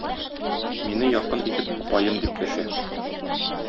Мине якын итеп "апаем" дип дәшә.